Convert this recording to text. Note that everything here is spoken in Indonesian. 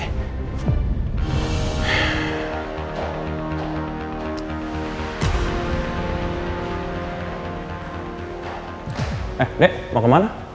eh dek mau kemana